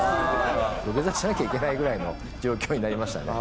土下座しなきゃいけないぐらいの状況になりましたね。